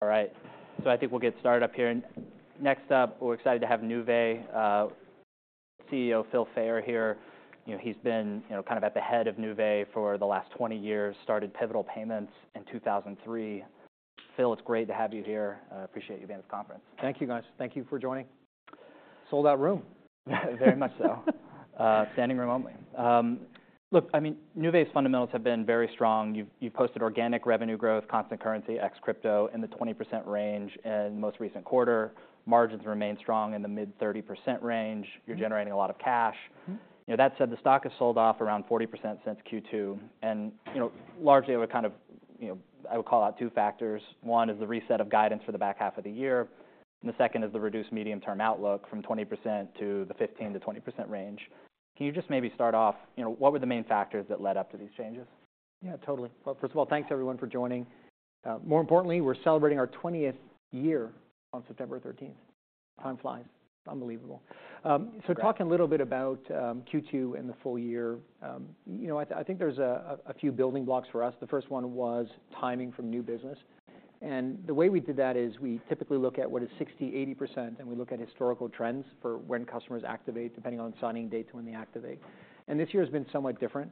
All right. So I think we'll get started up here, and next up, we're excited to have Nuvei CEO Phil Fayer here. You know, he's been, you know, kind of at the head of Nuvei for the last 20 years, started Pivotal Payments in 2003. Phil, it's great to have you here. Appreciate you being at the conference. Thank you, guys. Thank you for joining. Sold out room. Very much so. Standing room only. Look, I mean, Nuvei's fundamentals have been very strong. You've, you've posted organic revenue growth, constant currency, ex crypto, in the 20% range in most recent quarter. Margins remain strong in the mid-30% range. You're generating a lot of cash. You know, that said, the stock has sold off around 40% since Q2, and, you know, largely of a kind of, you know, I would call out two factors. One is the reset of guidance for the back half of the year, and the second is the reduced medium-term outlook from 20% to the 15%-20% range. Can you just maybe start off, you know, what were the main factors that led up to these changes? Yeah, totally. Well, first of all, thanks everyone for joining. More importantly, we're celebrating our twentieth year on September 13th. Time flies. Unbelievable. Great... so talking a little bit about Q2 and the full year, you know, I think there's a few building blocks for us. The first one was timing from new business, and the way we did that is we typically look at what is 60%-80%, and we look at historical trends for when customers activate, depending on signing dates, when they activate. And this year has been somewhat different.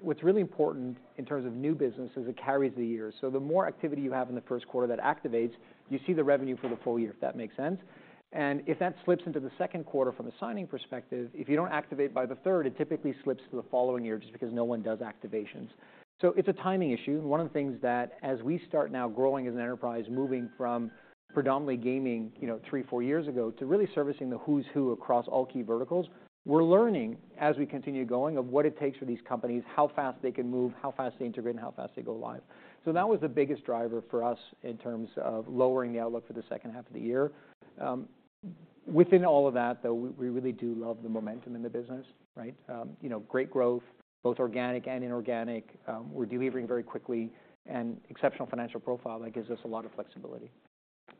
What's really important in terms of new business is it carries the year. So the more activity you have in the first quarter that activates, you see the revenue for the full year, if that makes sense. And if that slips into the second quarter from a signing perspective, if you don't activate by the third, it typically slips to the following year just because no one does activations. So it's a timing issue, and one of the things that, as we start now growing as an enterprise, moving from predominantly gaming, you know, three, four years ago, to really servicing the who's who across all key verticals, we're learning, as we continue going, of what it takes for these companies, how fast they can move, how fast they integrate, and how fast they go live. So that was the biggest driver for us in terms of lowering the outlook for the second half of the year. Within all of that, though, we really do love the momentum in the business, right? You know, great growth, both organic and inorganic. We're delivering very quickly, and exceptional financial profile that gives us a lot of flexibility.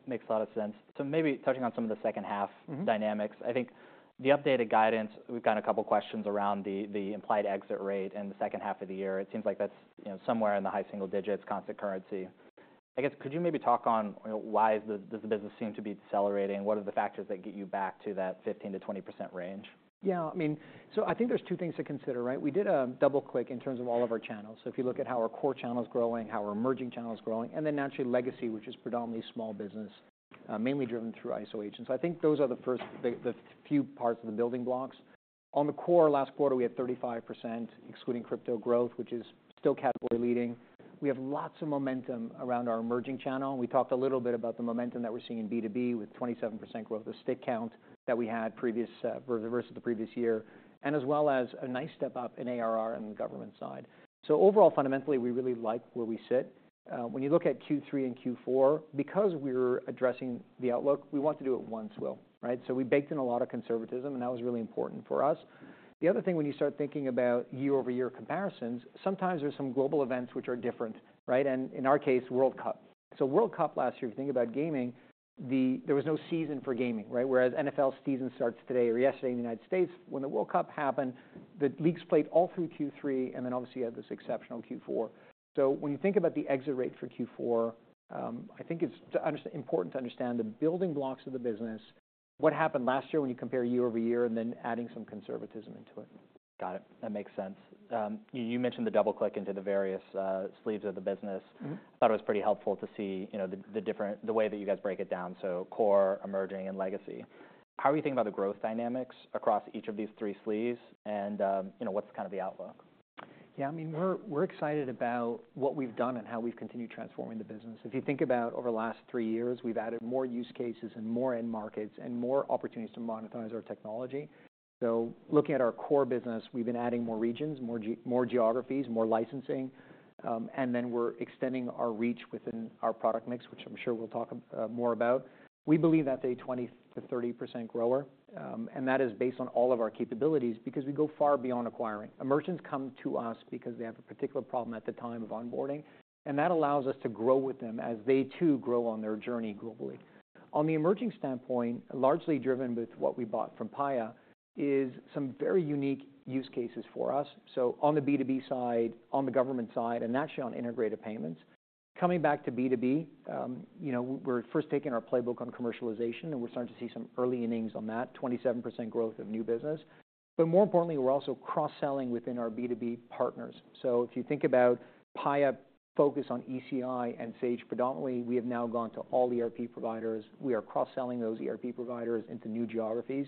Makes a lot of sense. So maybe touching on some of the second half- Mm-hmm... dynamics. I think the updated guidance, we've gotten a couple questions around the implied exit rate in the second half of the year. It seems like that's, you know, somewhere in the high single digits, constant currency. I guess, could you maybe talk on, you know, why does the business seem to be decelerating? What are the factors that get you back to that 15%-20% range? Yeah, I mean, so I think there's two things to consider, right? We did a double-click in terms of all of our channels, so if you look at how our core channel's growing, how our emerging channel is growing, and then naturally, legacy, which is predominantly small business, mainly driven through ISO agents. I think those are the first, the, the few parts of the building blocks. On the core, last quarter, we had 35%, excluding crypto growth, which is still category leading. We have lots of momentum around our emerging channel. We talked a little bit about the momentum that we're seeing in B2B with 27% growth of stack count that we had previous versus the previous year, and as well as a nice step up in ARR on the government side. So overall, fundamentally, we really like where we sit. When you look at Q3 and Q4, because we're addressing the outlook, we want to do it once well, right? So we baked in a lot of conservatism, and that was really important for us. The other thing, when you start thinking about year-over-year comparisons, sometimes there's some global events which are different, right? And in our case, World Cup. So World Cup last year, if you think about gaming, there was no season for gaming, right? Whereas NFL season starts today or yesterday in the United States. When the World Cup happened, the leagues played all through Q3, and then obviously you had this exceptional Q4. So when you think about the exit rate for Q4, I think it's important to understand the building blocks of the business, what happened last year when you compare year-over-year, and then adding some conservatism into it. Got it. That makes sense. You mentioned the double-click into the various sleeves of the business. Mm-hmm. I thought it was pretty helpful to see, you know, the different way that you guys break it down, so core, emerging, and legacy. How are you thinking about the growth dynamics across each of these three sleeves? And, you know, what's kind of the outlook? Yeah, I mean, we're, we're excited about what we've done and how we've continued transforming the business. If you think about over the last three years, we've added more use cases and more end markets and more opportunities to monetize our technology. So looking at our core business, we've been adding more regions, more geographies, more licensing, and then we're extending our reach within our product mix, which I'm sure we'll talk more about. We believe that's a 20%-30% grower, and that is based on all of our capabilities, because we go far beyond acquiring. Merchants come to us because they have a particular problem at the time of onboarding, and that allows us to grow with them as they too grow on their journey globally. On the emerging standpoint, largely driven with what we bought from Paya, is some very unique use cases for us, so on the B2B side, on the government side, and actually on integrated payments. Coming back to B2B, you know, we're first taking our playbook on commercialization, and we're starting to see some early innings on that: 27% growth of new business. But more importantly, we're also cross-selling within our B2B partners. So if you think about Paya, focus on ECI and Sage predominantly, we have now gone to all ERP providers. We are cross-selling those ERP providers into new geographies,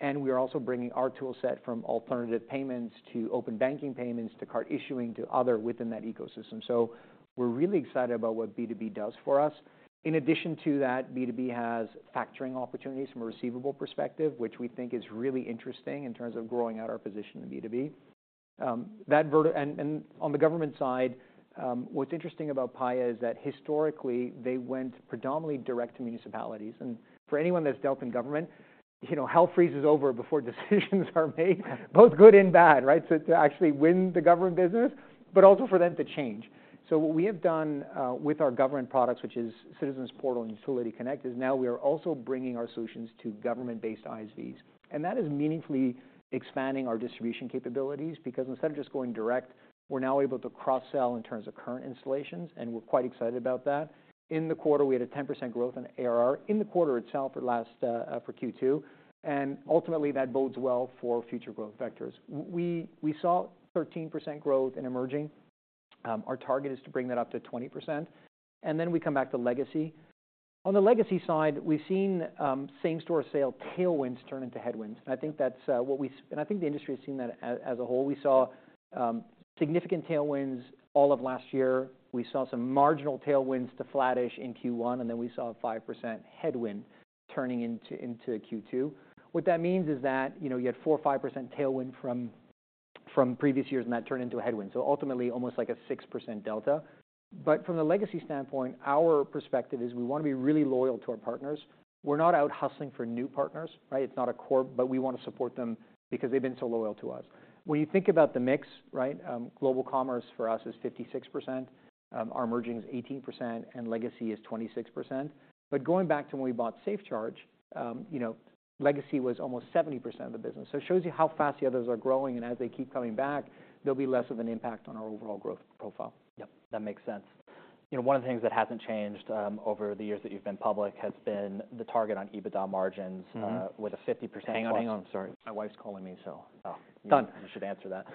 and we are also bringing our tool set from alternative payments to open banking payments, to card issuing, to other within that ecosystem. So we're really excited about what B2B does for us. In addition to that, B2B has factoring opportunities from a receivable perspective, which we think is really interesting in terms of growing out our position in B2B. And on the government side, what's interesting about Paya is that historically they went predominantly direct to municipalities, and for anyone that's dealt in government, you know, hell freezes over before decisions are made, both good and bad, right? So to actually win the government business, but also for them to change. So what we have done with our government products, which is Citizens Portal and Utility Connect, is now we are also bringing our solutions to government-based ISVs. And that is meaningfully expanding our distribution capabilities, because instead of just going direct, we're now able to cross-sell in terms of current installations, and we're quite excited about that. In the quarter, we had a 10% growth in ARR, in the quarter itself, at last, for Q2, and ultimately, that bodes well for future growth vectors. We saw 13% growth in emerging. Our target is to bring that up to 20%, and we come back to legacy. On the legacy side, we've seen same-store sale tailwinds turn into headwinds, and I think that's what we—and I think the industry has seen that as a whole. We saw significant tailwinds all of last year. We saw some marginal tailwinds to flattish in Q1, and then we saw a 5% headwind turning into Q2. What that means is that, you know, you had 4%-5% tailwind from previous years, and that turned into a headwind, so ultimately, almost like a 6% delta. But from the legacy standpoint, our perspective is we want to be really loyal to our partners. We're not out hustling for new partners, right? It's not a core, but we want to support them because they've been so loyal to us. When you think about the mix, right, global commerce for us is 56%, our emerging is 18%, and legacy is 26%. But going back to when we bought SafeCharge, you know, legacy was almost 70% of the business. So it shows you how fast the others are growing, and as they keep coming back, there'll be less of an impact on our overall growth profile. Yep, that makes sense. You know, one of the things that hasn't changed over the years that you've been public has been the target on EBITDA margins- Mm-hmm. with a 50%- Hang on, hang on. Sorry, my wife's calling me, so. Oh. Done. You should answer that.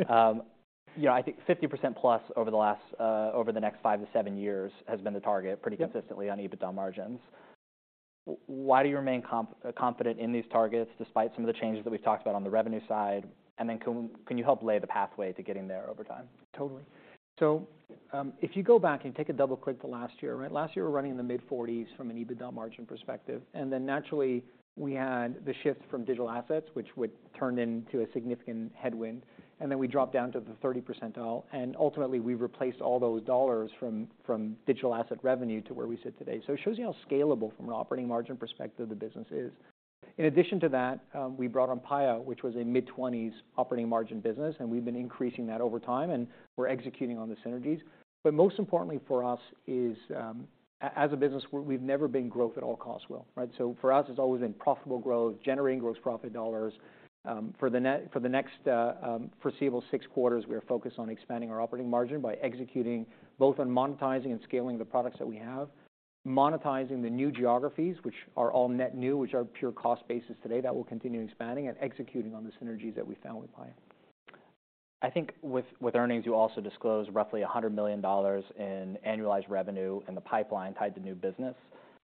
Yeah, I think 50%+ over the next five to seven years has been the target- Yep. Pretty consistently on EBITDA margins. Why do you remain confident in these targets, despite some of the changes that we've talked about on the revenue side? And then can you help lay the pathway to getting there over time? Totally. So, if you go back and take a double click to last year, right? Last year, we're running in the mid-40s% from an EBITDA margin perspective, and then naturally, we had the shift from digital assets, which would turn into a significant headwind, and then we dropped down to the 30%, and ultimately, we replaced all those dollars from digital asset revenue to where we sit today. So it shows you how scalable, from an operating margin perspective, the business is. In addition to that, we brought on Paya, which was a mid-20s% operating margin business, and we've been increasing that over time, and we're executing on the synergies. But most importantly for us is, as a business, we've never been growth at all costs, well, right? So for us, it's always been profitable growth, generating gross profit dollars. For the next foreseeable six quarters, we are focused on expanding our operating margin by executing both on monetizing and scaling the products that we have, monetizing the new geographies, which are all net new, which are pure cost basis today. That will continue expanding and executing on the synergies that we found with Paya. I think with earnings, you also disclose roughly $100 million in annualized revenue in the pipeline tied to new business.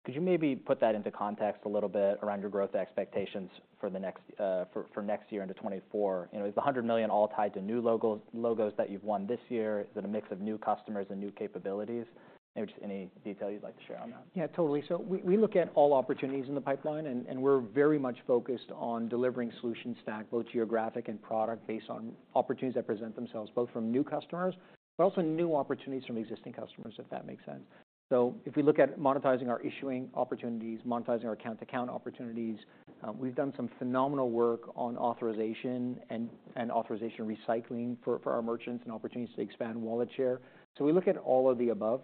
Could you maybe put that into context a little bit around your growth expectations for the next year into 2024? You know, is the $100 million all tied to new logos, logos that you've won this year? Is it a mix of new customers and new capabilities? Maybe just any detail you'd like to share on that. Yeah, totally. So we look at all opportunities in the pipeline, and we're very much focused on delivering solution stack, both geographic and product, based on opportunities that present themselves, both from new customers, but also new opportunities from existing customers, if that makes sense. So if we look at monetizing our issuing opportunities, monetizing our account-to-account opportunities, we've done some phenomenal work on authorization and authorization recycling for our merchants and opportunities to expand wallet share. So we look at all of the above,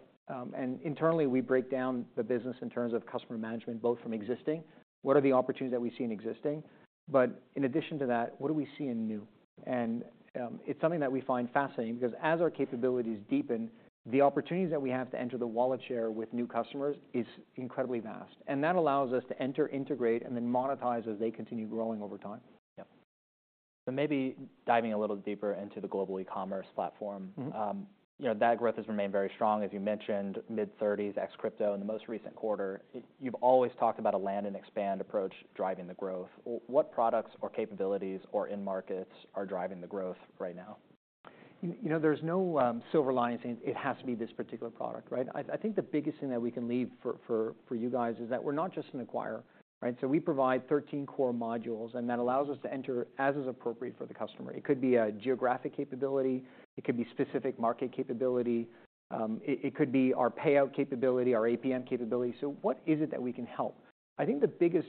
and internally, we break down the business in terms of customer management, both from existing, what are the opportunities that we see in existing? But in addition to that, what do we see in new? It's something that we find fascinating because as our capabilities deepen, the opportunities that we have to enter the wallet share with new customers is incredibly vast, and that allows us to enter, integrate, and then monetize as they continue growing over time. Yep. Maybe diving a little deeper into the global e-commerce platform. Mm-hmm. You know, that growth has remained very strong, as you mentioned, mid-30s%, ex crypto, in the most recent quarter. You've always talked about a land and expand approach driving the growth. What products or capabilities or end markets are driving the growth right now? You know, there's no silver lining, saying it has to be this particular product, right? I think the biggest thing that we can leave for you guys is that we're not just an acquirer, right? So we provide 13 core modules, and that allows us to enter as is appropriate for the customer. It could be a geographic capability, it could be specific market capability, it could be our payout capability, our APM capability. So what is it that we can help? I think the biggest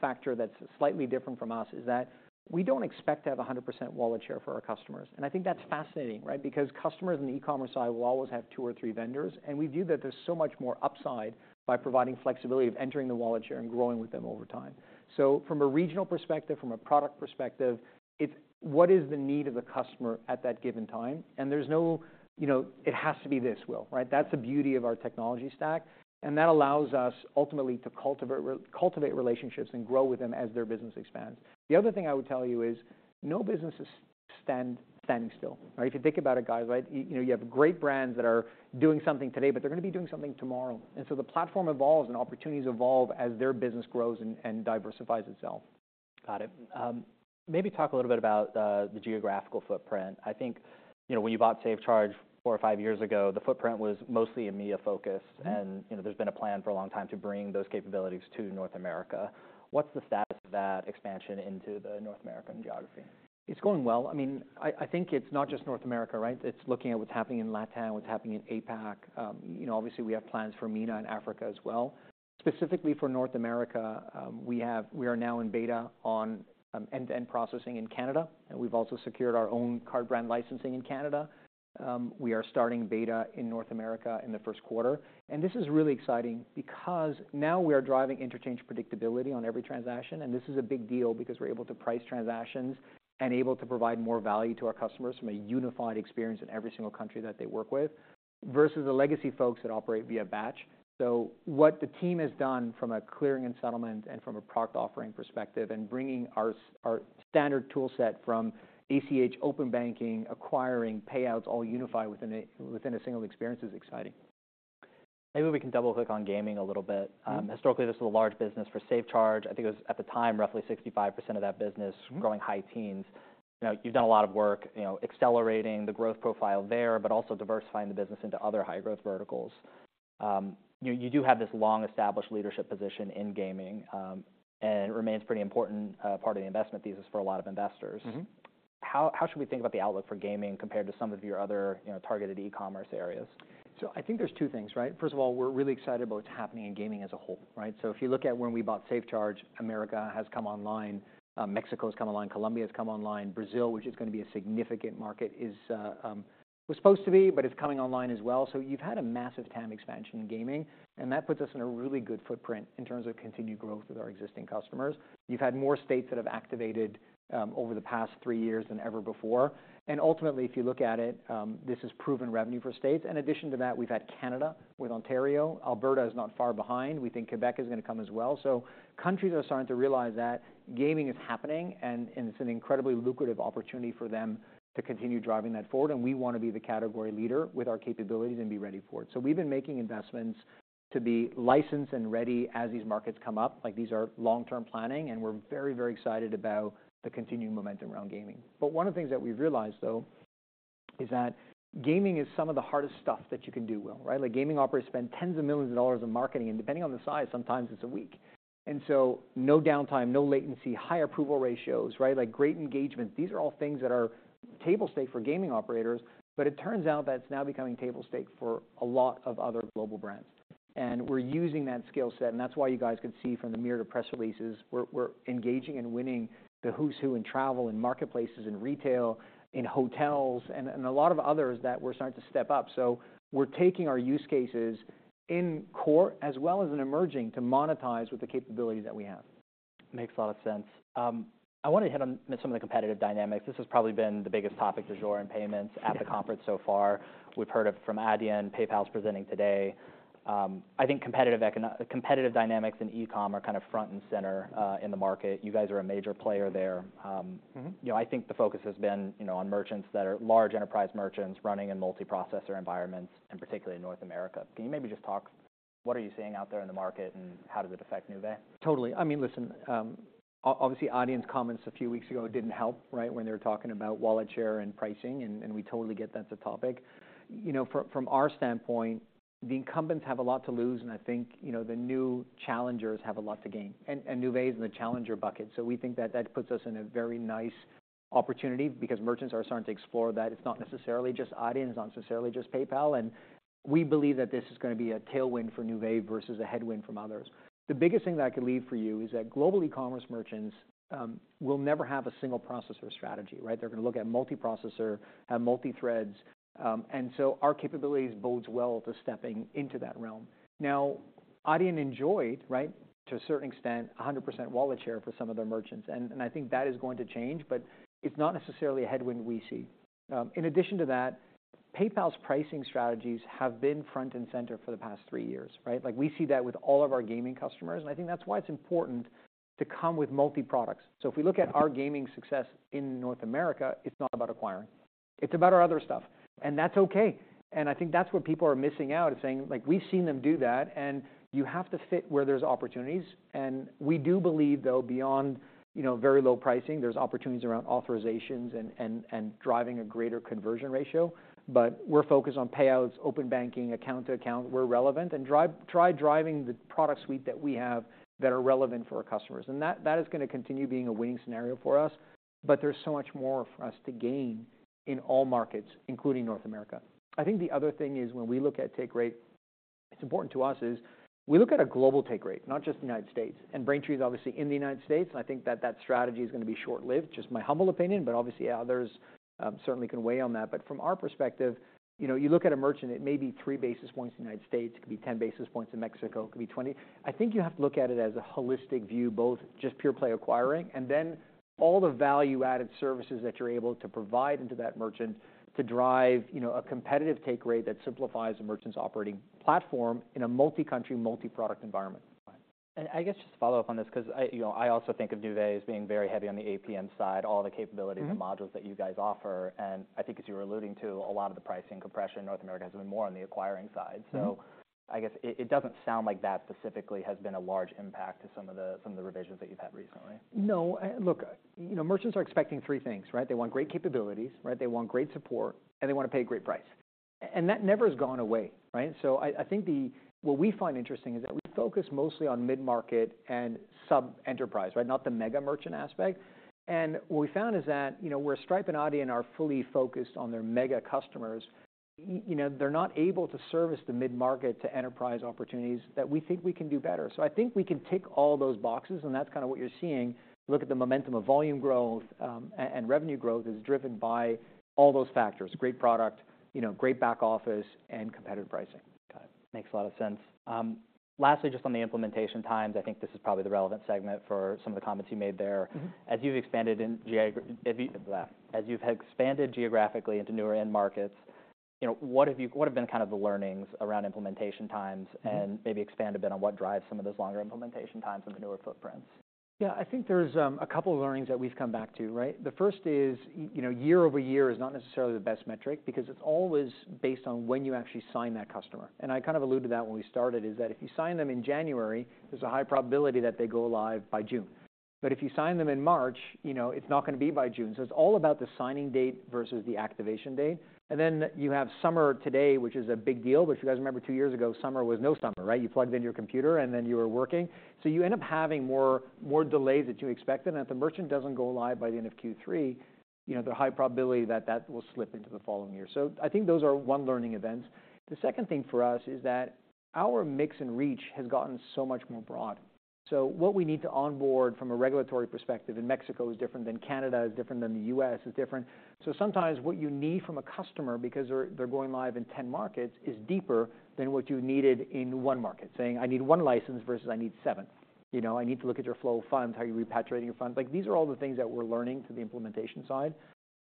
factor that's slightly different from us is that we don't expect to have 100% wallet share for our customers, and I think that's fascinating, right? Because customers in the eCommerce side will always have two or three vendors, and we view that there's so much more upside by providing flexibility of entering the wallet share and growing with them over time. From a regional perspective, from a product perspective, it's what is the need of the customer at that given time? There's no, you know, it has to be this, Will, right? That's the beauty of our technology stack, and that allows us, ultimately, to cultivate, re-cultivate relationships and grow with them as their business expands. The other thing I would tell you is, no business is standing still, right? If you think about it, guys, right, you know, you have great brands that are doing something today, but they're gonna be doing something tomorrow, and so the platform evolves, and opportunities evolve as their business grows and, and diversifies itself. Got it. Maybe talk a little bit about the geographical footprint. I think, you know, when you bought SafeCharge four or five years ago, the footprint was mostly EMEA focused- Mm-hmm. You know, there's been a plan for a long time to bring those capabilities to North America. What's the status of that expansion into the North American geography? It's going well. I mean, I think it's not just North America, right? It's looking at what's happening in LATAM, what's happening in APAC. You know, obviously, we have plans for MENA and Africa as well. Specifically for North America, we have, we are now in beta on end-to-end processing in Canada, and we've also secured our own card brand licensing in Canada. We are starting beta in North America in the first quarter, and this is really exciting because now we are driving interchange predictability on every transaction. And this is a big deal because we're able to price transactions and able to provide more value to our customers from a unified experience in every single country that they work with, versus the legacy folks that operate via batch. So what the team has done from a clearing and settlement and from a product offering perspective, and bringing our standard tool set from ACH open banking, acquiring payouts, all unified within a single experience, is exciting. Maybe we can double click on gaming a little bit. Mm-hmm. Historically, this is a large business for SafeCharge. I think it was, at the time, roughly 65% of that business- Mm-hmm growing high teens. Now, you've done a lot of work, you know, accelerating the growth profile there, but also diversifying the business into other high growth verticals. You do have this long-established leadership position in gaming, and it remains a pretty important part of the investment thesis for a lot of investors. Mm-hmm. How, how should we think about the outlook for gaming compared to some of your other, you know, targeted e-commerce areas? So I think there's two things, right? First of all, we're really excited about what's happening in gaming as a whole, right? So if you look at when we bought SafeCharge, America has come online, Mexico has come online, Colombia has come online. Brazil, which is gonna be a significant market, is was supposed to be, but it's coming online as well. So you've had a massive TAM expansion in gaming, and that puts us in a really good footprint in terms of continued growth with our existing customers. You've had more states that have activated over the past three years than ever before, and ultimately, if you look at it, this is proven revenue for states. In addition to that, we've had Canada with Ontario. Alberta is not far behind. We think Quebec is gonna come as well. So countries are starting to realize that gaming is happening, and it's an incredibly lucrative opportunity for them to continue driving that forward, and we want to be the category leader with our capabilities and be ready for it. So we've been making investments to be licensed and ready as these markets come up. Like, these are long-term planning, and we're very, very excited about the continuing momentum around gaming. But one of the things that we've realized, though, is that gaming is some of the hardest stuff that you can do well, right? Like, gaming operators spend tens of millions of dollars in marketing, and depending on the size, sometimes it's a week. And so no downtime, no latency, high approval ratios, right? Like, great engagement. These are all things that are table stakes for gaming operators, but it turns out that it's now becoming table stakes for a lot of other global brands. We're using that skill set, and that's why you guys could see from the merger press releases. We're engaging and winning the who's who in travel, in marketplaces, in retail, in hotels, and a lot of others that we're starting to step up. So we're taking our use cases in core as well as in emerging, to monetize with the capabilities that we have. Makes a lot of sense. I want to hit on some of the competitive dynamics. This has probably been the biggest topic du jour in payments at the conference so far. We've heard it from Adyen, PayPal's presenting today. I think competitive dynamics in e-com are kind of front and center in the market. You guys are a major player there. Mm-hmm... you know, I think the focus has been, you know, on merchants that are large enterprise merchants running in multiprocessor environments, and particularly in North America. Can you maybe just talk, what are you seeing out there in the market, and how does it affect Nuvei? Totally. I mean, listen, obviously, Adyen's comments a few weeks ago didn't help, right? When they were talking about wallet share and pricing, and we totally get that's a topic. You know, from our standpoint, the incumbents have a lot to lose, and I think, you know, the new challengers have a lot to gain, and Nuvei is in the challenger bucket. So we think that that puts us in a very nice opportunity because merchants are starting to explore that. It's not necessarily just Adyen, it's not necessarily just PayPal, and we believe that this is gonna be a tailwind for Nuvei versus a headwind from others. The biggest thing that I could leave for you is that global e-commerce merchants will never have a single processor strategy, right? They're gonna look at multiprocessor, at multithreads, and so our capabilities bodes well to stepping into that realm. Now, Adyen enjoyed, right, to a certain extent, 100% wallet share for some of their merchants, and I think that is going to change, but it's not necessarily a headwind we see. In addition to that, PayPal's pricing strategies have been front and center for the past three years, right? Like, we see that with all of our gaming customers, and I think that's why it's important to come with multi-products. So if we look at our gaming success in North America, it's not about acquiring, it's about our other stuff, and that's okay. I think that's where people are missing out, is saying, like, we've seen them do that, and you have to fit where there's opportunities. We do believe, though, beyond, you know, very low pricing, there's opportunities around authorizations and driving a greater conversion ratio. But we're focused on payouts, open banking, account to account, we're relevant, and try driving the product suite that we have that are relevant for our customers. And that, that is gonna continue being a winning scenario for us, but there's so much more for us to gain in all markets, including North America. I think the other thing is, when we look at take rate, it's important to us, we look at a global take rate, not just the United States. And Braintree is obviously in the United States, and I think that that strategy is gonna be short-lived. Just my humble opinion, but obviously others certainly can weigh on that. But from our perspective, you know, you look at a merchant, it may be three basis points in the United States, it could be 10 basis points in Mexico, it could be 20. I think you have to look at it as a holistic view, both just pure play acquiring, and then all the value-added services that you're able to provide into that merchant to drive, you know, a competitive take rate that simplifies the merchant's operating platform in a multi-country, multi-product environment. I guess just to follow up on this, 'cause you know, I also think of Nuvei as being very heavy on the APM side, all the capabilities- Mm-hmm... and modules that you guys offer. I think as you were alluding to, a lot of the pricing compression in North America has been more on the acquiring side. Mm-hmm. I guess it doesn't sound like that specifically has been a large impact to some of the revisions that you've had recently. No. Look, you know, merchants are expecting three things, right? They want great capabilities, right? They want great support, and they want to pay a great price. And that never has gone away, right? So I think what we find interesting is that we focus mostly on mid-market and sub-enterprise, right? Not the mega merchant aspect. And what we found is that, you know, where Stripe and Adyen are fully focused on their mega customers, you know, they're not able to service the mid-market to enterprise opportunities that we think we can do better. So I think we can tick all those boxes, and that's kind of what you're seeing. Look at the momentum of volume growth and revenue growth is driven by all those factors: great product, you know, great back office, and competitive pricing. Got it. Makes a lot of sense. Lastly, just on the implementation times, I think this is probably the relevant segment for some of the comments you made there. Mm-hmm. As you've expanded geographically into newer end markets, you know, what have been kind of the learnings around implementation times? Maybe expand a bit on what drives some of those longer implementation times in the newer footprints. Yeah, I think there's a couple of learnings that we've come back to, right? The first is, you know, year-over-year is not necessarily the best metric because it's always based on when you actually sign that customer. And I kind of alluded to that when we started, is that if you sign them in January, there's a high probability that they go live by June. But if you sign them in March, you know, it's not gonna be by June. So it's all about the signing date versus the activation date. And then you have summer today, which is a big deal, but if you guys remember two years ago, summer was no summer, right? You plugged in your computer, and then you were working. So you end up having more, more delays than you expected, and if the merchant doesn't go live by the end of Q3, you know, there's a high probability that that will slip into the following year. So I think those are one learning events. The second thing for us is that our mix and reach has gotten so much more broad. So what we need to onboard from a regulatory perspective in Mexico is different than Canada, is different than the U.S., is different. So sometimes what you need from a customer, because they're, they're going live in 10 markets, is deeper than what you needed in one market. Saying, "I need one license," versus, "I need seven." You know, "I need to look at your flow of funds, how you're repatriating your funds." Like, these are all the things that we're learning to the implementation side.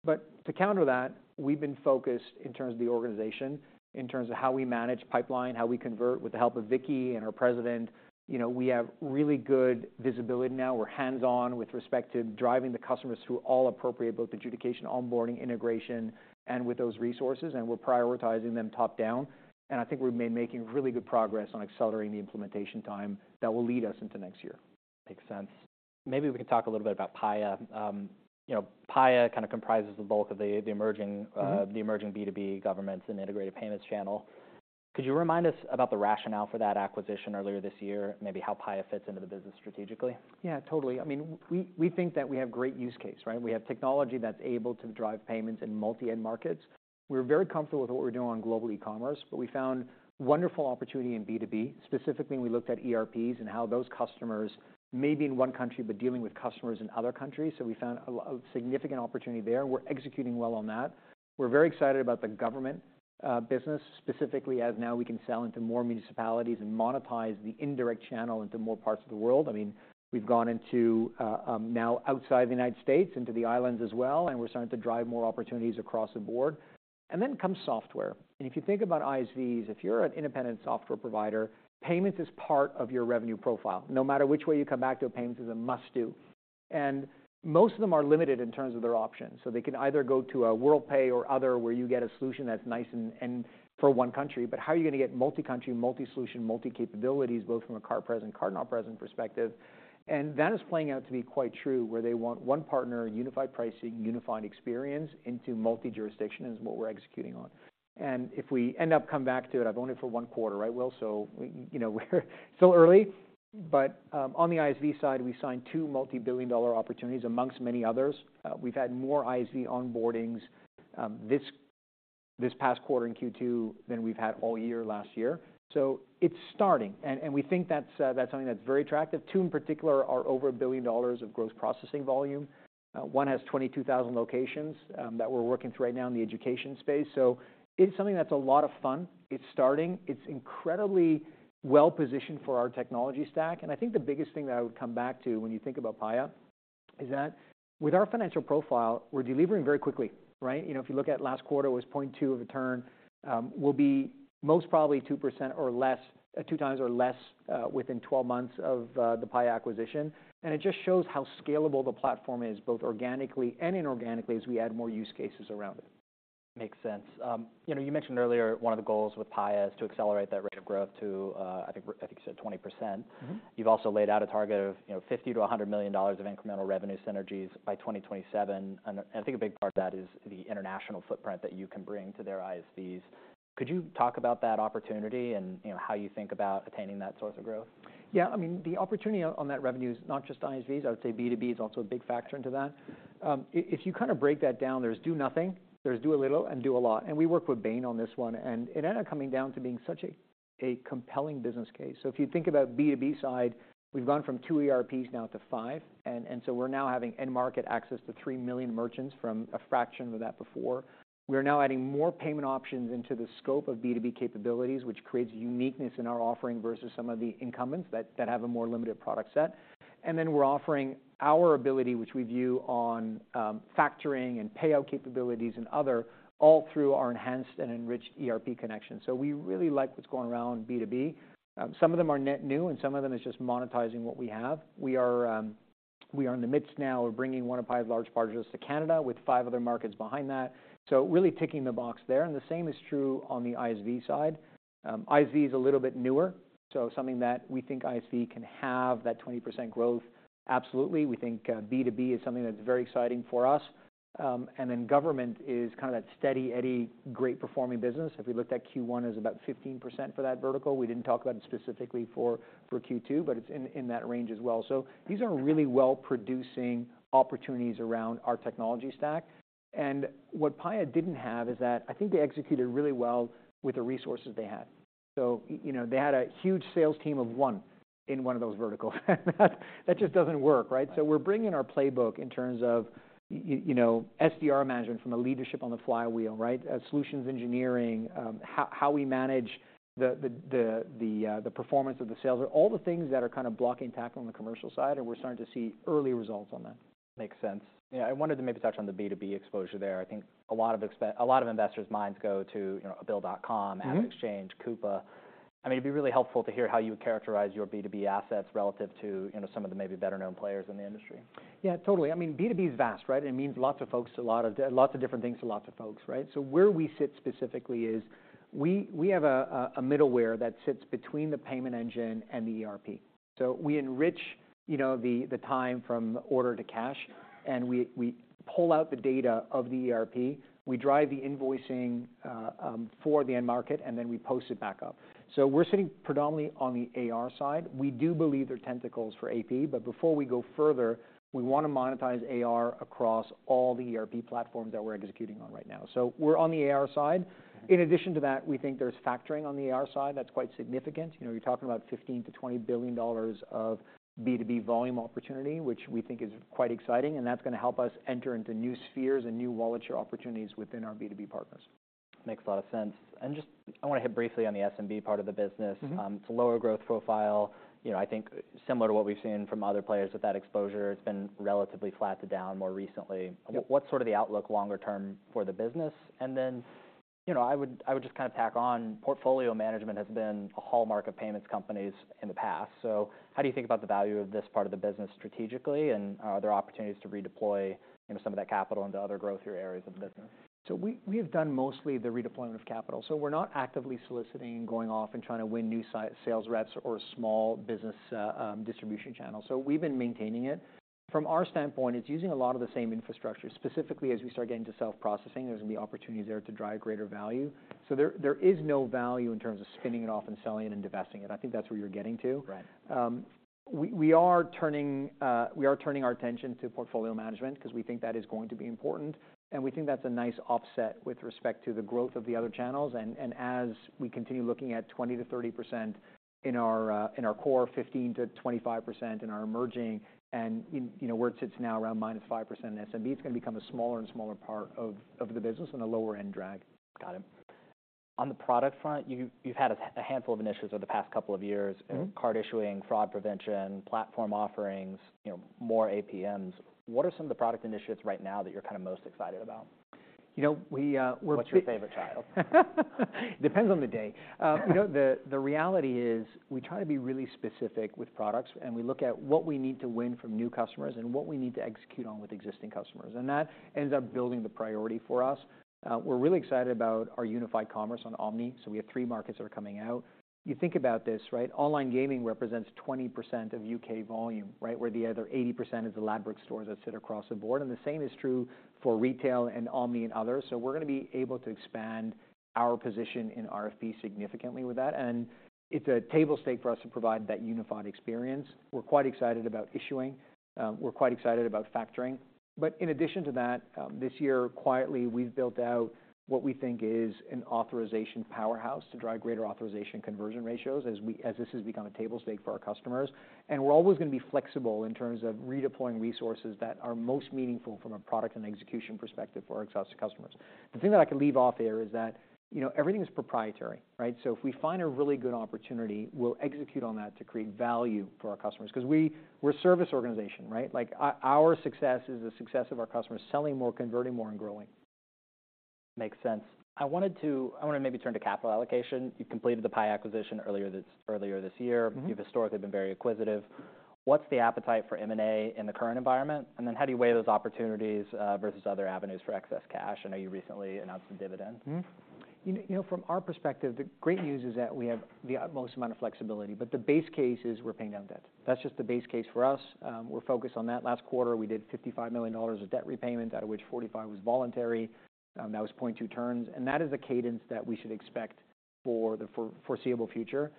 But to counter that, we've been focused in terms of the organization, in terms of how we manage pipeline, how we convert. With the help of Vicky and our president, you know, we have really good visibility now. We're hands-on with respect to driving the customers through all appropriate, both adjudication, onboarding, integration, and with those resources, and we're prioritizing them top-down. And I think we've been making really good progress on accelerating the implementation time that will lead us into next year. Makes sense. Maybe we can talk a little bit about Paya. You know, Paya kind of comprises the bulk of the, the emerging- Mm-hmm... the emerging B2B governments and integrated payments channel. Could you remind us about the rationale for that acquisition earlier this year, maybe how Paya fits into the business strategically? Yeah, totally. I mean, we think that we have great use case, right? We have technology that's able to drive payments in multi-end markets. We're very comfortable with what we're doing on global e-commerce, but we found wonderful opportunity in B2B. Specifically, we looked at ERPs and how those customers may be in one country, but dealing with customers in other countries, so we found a significant opportunity there. We're executing well on that. We're very excited about the government business, specifically as now we can sell into more municipalities and monetize the indirect channel into more parts of the world. I mean, we've gone into now outside the United States into the islands as well, and we're starting to drive more opportunities across the board. And then comes software, and if you think about ISVs, if you're an independent software provider, payments is part of your revenue profile. No matter which way you come back to it, payments is a must-do, and most of them are limited in terms of their options. So they can either go to a Worldpay or other, where you get a solution that's nice and, and for one country, but how are you gonna get multi-country, multi-solution, multi-capabilities, both from a card present and card not present perspective? And that is playing out to be quite true, where they want one partner, unified pricing, unified experience into multi-jurisdiction is what we're executing on. And if we end up coming back to it, I've owned it for one quarter, right, Will? So, you know, we're still early. On the ISV side, we signed two multi-billion dollar opportunities amongst many others. We've had more ISV onboardings this past quarter in Q2 than we've had all year last year, so it's starting, and we think that's something that's very attractive. Two, in particular, are over $1 billion of gross processing volume. One has 22,000 locations that we're working through right now in the education space. It's something that's a lot of fun. It's starting. It's incredibly well-positioned for our technology stack, and I think the biggest thing that I would come back to when you think about Paya is that with our financial profile, we're delivering very quickly, right? You know, if you look at last quarter, it was 0.2 of return. We'll be most probably 2% or less, 2x or less, within 12 months of the Paya acquisition. It just shows how scalable the platform is, both organically and inorganically, as we add more use cases around it. Makes sense. You know, you mentioned earlier one of the goals with Paya is to accelerate that rate of growth to, I think, I think you said 20%. Mm-hmm. You've also laid out a target of, you know, $50 million-$100 million of incremental revenue synergies by 2027, and, and I think a big part of that is the international footprint that you can bring to their ISVs. Could you talk about that opportunity and, you know, how you think about attaining that source of growth? Yeah, I mean, the opportunity on that revenue is not just ISVs. I would say B2B is also a big factor into that. If you kind of break that down, there's do nothing, there's do a little, and do a lot, and we worked with Bain on this one, and it ended up coming down to being such a compelling business case. So if you think about B2B side, we've gone from two ERPs now to five, and so we're now having end market access to three million merchants from a fraction of that before. We are now adding more payment options into the scope of B2B capabilities, which creates uniqueness in our offering versus some of the incumbents that have a more limited product set. And then we're offering our ability, which we view on, factoring and payout capabilities and other, all through our enhanced and enriched ERP connection. So we really like what's going around B2B. Some of them are net new, and some of them is just monetizing what we have. We are, we are in the midst now of bringing one of Paya's large partners to Canada, with five other markets behind that, so really ticking the box there. And the same is true on the ISV side. ISV is a little bit newer, so something that we think ISV can have that 20% growth, absolutely. We think, B2B is something that's very exciting for us. And then government is kind of that steady eddy, great performing business. If we looked at Q1, it was about 15% for that vertical. We didn't talk about it specifically for Q2, but it's in that range as well. So these are really well-producing opportunities around our technology stack, and what Paya didn't have is that I think they executed really well with the resources they had. So you know, they had a huge sales team of one in one of those verticals, and that just doesn't work, right? So we're bringing our playbook in terms of you know, SDR management from a leadership on the flywheel, right? Solutions engineering, how we manage the performance of the sales, all the things that are kind of blocking and tackling the commercial side, and we're starting to see early results on that. Makes sense. Yeah, I wanted to maybe touch on the B2B exposure there. I think a lot of investors' minds go to, you know, a Bill.com- Mm-hmm AvidXchange, Coupa. I mean, it'd be really helpful to hear how you would characterize your B2B assets relative to, you know, some of the maybe better-known players in the industry. Yeah, totally. I mean, B2B is vast, right? It means lots of folks, a lot of... Lots of different things to lots of folks, right? So where we sit specifically is we, we have a, a middleware that sits between the payment engine and the ERP. So we enrich, you know, the, the time from order to cash, and we, we pull out the data of the ERP. We drive the invoicing for the end market, and then we post it back up. So we're sitting predominantly on the AR side. We do believe there are tentacles for AP, but before we go further, we wanna monetize AR across all the ERP platforms that we're executing on right now. So we're on the AR side. In addition to that, we think there's factoring on the AR side that's quite significant. You know, you're talking about $15 billion-$20 billion of B2B volume opportunity, which we think is quite exciting, and that's gonna help us enter into new spheres and new wallet share opportunities within our B2B partners. Makes a lot of sense. Just, I wanna hit briefly on the SMB part of the business. Mm-hmm. It's a lower growth profile, you know, I think similar to what we've seen from other players with that exposure. It's been relatively flat to down more recently. Yep. What's sort of the outlook longer term for the business? And then, you know, I would just kind of tack on, portfolio management has been a hallmark of payments companies in the past. So how do you think about the value of this part of the business strategically, and are there opportunities to redeploy, you know, some of that capital into other growth or areas of the business? So we, we have done mostly the redeployment of capital, so we're not actively soliciting and going off and trying to win new sales reps or small business distribution channels, so we've been maintaining it. From our standpoint, it's using a lot of the same infrastructure. Specifically, as we start getting to self-processing, there's gonna be opportunities there to drive greater value. So there, there is no value in terms of spinning it off and selling it and divesting it. I think that's where you're getting to. Right. We are turning our attention to portfolio management 'cause we think that is going to be important, and we think that's a nice offset with respect to the growth of the other channels. As we continue looking at 20%-30% in our core, 15%-25% in our emerging, and you know, where it sits now, around -5% in SMB, it's gonna become a smaller and smaller part of the business and a lower end drag. Got it. On the product front, you've had a handful of initiatives over the past couple of years. Mm-hmm. Card issuing, fraud prevention, platform offerings, you know, more APMs. What are some of the product initiatives right now that you're kind of most excited about? You know, we're- What's your favorite child? Depends on the day. You know, the, the reality is, we try to be really specific with products, and we look at what we need to win from new customers and what we need to execute on with existing customers, and that ends up building the priority for us. We're really excited about our unified commerce on Omni, so we have three markets that are coming out. You think about this, right? Online gaming represents 20% of U.K. volume, right? Where the other 80% is the Ladbrokes stores that sit across the board, and the same is true for retail and Omni and others. So we're gonna be able to expand our position in RFP significantly with that, and it's a table stakes for us to provide that unified experience. We're quite excited about issuing. We're quite excited about factoring. But in addition to that, this year, quietly, we've built out what we think is an authorization powerhouse to drive greater authorization conversion ratios as this has become a table stake for our customers. And we're always gonna be flexible in terms of redeploying resources that are most meaningful from a product and execution perspective for our customers. The thing that I can leave off here is that, you know, everything is proprietary, right? So if we find a really good opportunity, we'll execute on that to create value for our customers 'cause we're a service organization, right? Like, our, our success is the success of our customers selling more, converting more, and growing. Makes sense. I wanted to... I wanna maybe turn to capital allocation. You've completed the Paya acquisition earlier this year. Mm-hmm. You've historically been very acquisitive. What's the appetite for M&A in the current environment? And then how do you weigh those opportunities versus other avenues for excess cash? I know you recently announced a dividend. Mm-hmm. You know, you know, from our perspective, the great news is that we have the utmost amount of flexibility, but the base case is we're paying down debt. That's just the base case for us. We're focused on that. Last quarter, we did $55 million of debt repayment, out of which $45 million was voluntary. That was 0.2 turns, and that is the cadence that we should expect for the foreseeable future.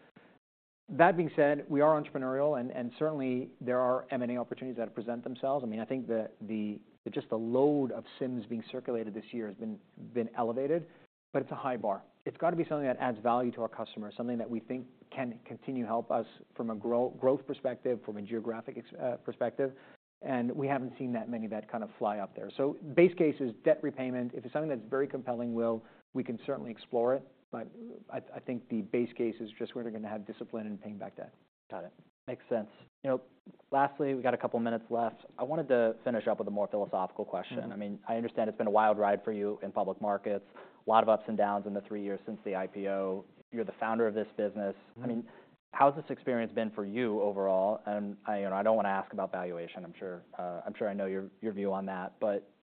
That being said, we are entrepreneurial, and certainly, there are M&A opportunities that present themselves. I mean, I think the, the, just the load of CIMs being circulated this year has been, been elevated, but it's a high bar. It's got to be something that adds value to our customers, something that we think can continue to help us from a growth perspective, from a geographic perspective, and we haven't seen that many of that kind of fly up there. So base case is debt repayment. If it's something that's very compelling, we can certainly explore it, but I think the base case is just where we're gonna have discipline in paying back debt. Got it. Makes sense. You know, lastly, we've got a couple minutes left. I wanted to finish up with a more philosophical question. Mm-hmm. I mean, I understand it's been a wild ride for you in public markets, a lot of ups and downs in the three years since the IPO. You're the founder of this business. Mm-hmm. I mean, how has this experience been for you overall? I, you know, I don't wanna ask about valuation. I'm sure I know your view on that.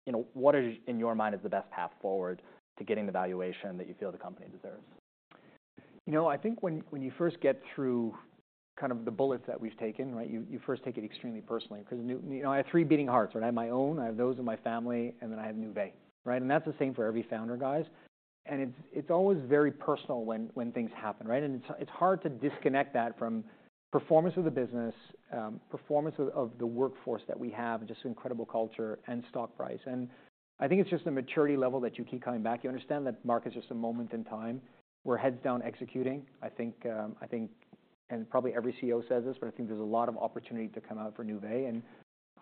You know, what is, in your mind, the best path forward to getting the valuation that you feel the company deserves? You know, I think when, when you first get through kind of the bullets that we've taken, right? You, you first take it extremely personally because Nuvei. You know, I have three beating hearts, right? I have my own, I have those in my family, and then I have Nuvei, right? And that's the same for every founder, guys. And it's, it's always very personal when, when things happen, right? And it's, it's hard to disconnect that from performance of the business, performance of, of the workforce that we have, just incredible culture and stock price, and I think it's just a maturity level that you keep coming back. You understand that market is just a moment in time. We're heads down executing. I think, I think, and probably every CEO says this, but I think there's a lot of opportunity to come out for Nuvei, and-...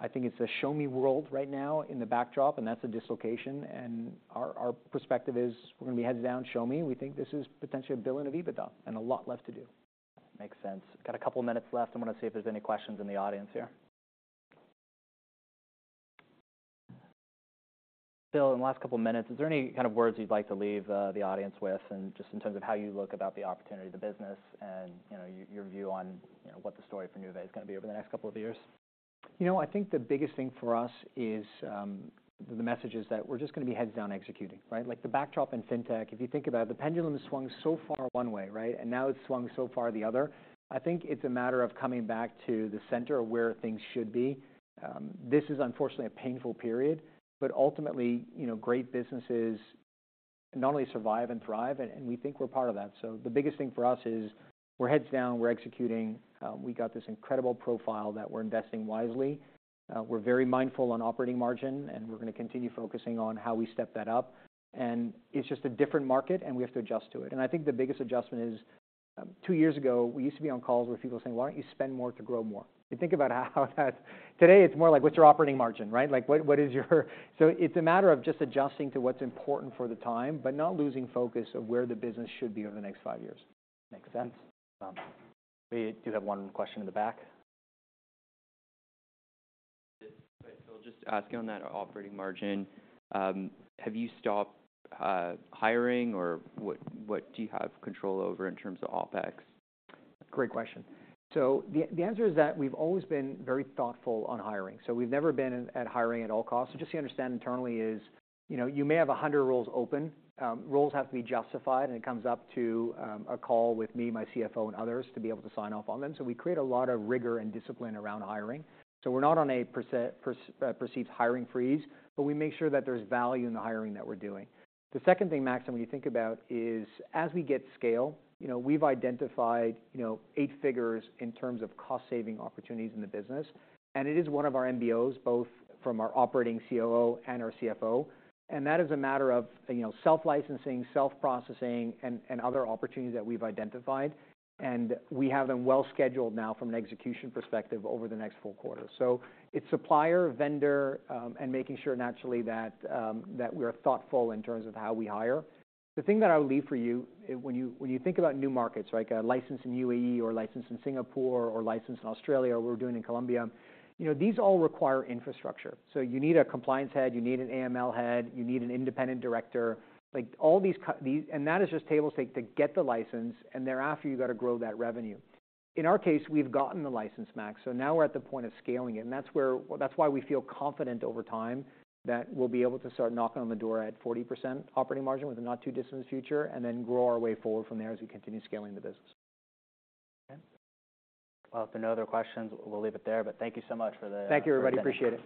I think it's a show-me world right now in the backdrop, and that's a dislocation. And our perspective is we're gonna be heads down, show me. We think this is potentially $1 billion of EBITDA and a lot left to do. Makes sense. Got a couple minutes left. I'm gonna see if there's any questions in the audience here. Phil, in the last couple minutes, is there any kind of words you'd like to leave the audience with, and just in terms of how you look about the opportunity, the business, and, you know, your view on, you know, what the story for Nuvei is gonna be over the next couple of years? You know, I think the biggest thing for us is the message is that we're just gonna be heads down executing, right? Like the backdrop in fintech, if you think about it, the pendulum has swung so far one way, right? And now it's swung so far the other. I think it's a matter of coming back to the center of where things should be. This is unfortunately a painful period, but ultimately, you know, great businesses not only survive and thrive, and we think we're part of that. So the biggest thing for us is we're heads down, we're executing, we got this incredible profile that we're investing wisely. We're very mindful on operating margin, and we're gonna continue focusing on how we step that up. And it's just a different market, and we have to adjust to it. I think the biggest adjustment is, two years ago, we used to be on calls where people were saying, "Why don't you spend more to grow more?" You think about how that... Today, it's more like, "What's your operating margin, right? Like, what, what is your... " So it's a matter of just adjusting to what's important for the time, but not losing focus of where the business should be over the next five years. Makes sense. We do have one question in the back. So, just ask you on that operating margin, have you stopped hiring, or what do you have control over in terms of OpEx? Great question. So the answer is that we've always been very thoughtful on hiring, so we've never been at hiring at all costs. So just so you understand internally is, you know, you may have 100 roles open, roles have to be justified, and it comes up to, a call with me, my CFO, and others to be able to sign off on them. So we create a lot of rigor and discipline around hiring. So we're not on a perceived hiring freeze, but we make sure that there's value in the hiring that we're doing. The second thing, Max, when you think about is, as we get scale, you know, we've identified, you know, eight figures in terms of cost-saving opportunities in the business, and it is one of our MBOs, both from our operating COO and our CFO. That is a matter of, you know, self-licensing, self-processing, and other opportunities that we've identified, and we have them well-scheduled now from an execution perspective over the next four quarters. So it's supplier, vendor, and making sure naturally that we're thoughtful in terms of how we hire. The thing that I would leave for you, when you think about new markets, like a license in UAE or license in Singapore, or license in Australia, or we're doing in Colombia, you know, these all require infrastructure. So you need a compliance head, you need an AML head, you need an independent director. Like, all these. And that is just table stakes to get the license, and thereafter, you got to grow that revenue. In our case, we've gotten the license, Max, so now we're at the point of scaling it, and that's why we feel confident over time that we'll be able to start knocking on the door at 40% operating margin with a not too distant future, and then grow our way forward from there as we continue scaling the business. Okay. Well, if there are no other questions, we'll leave it there. But thank you so much for the- Thank you, everybody. Appreciate it.